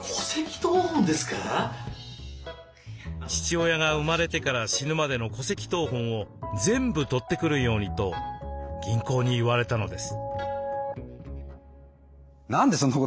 父親が生まれてから死ぬまでの戸籍謄本を全部取ってくるようにと銀行に言われたのです。